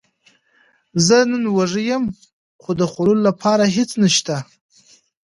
زه نن وږی یم، خو د خوړلو لپاره هیڅ نشته